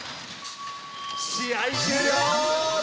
試合終了！